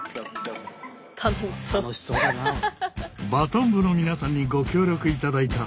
バトン部の皆さんにご協力いただいた。